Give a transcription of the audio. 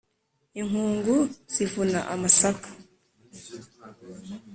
inkungu zivuna amasaka,